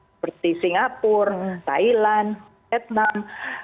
seperti singapura thailand vietnam